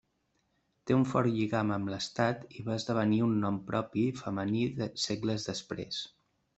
Té un fort lligam amb l'Estat i va esdevenir un nom propi femení segles després.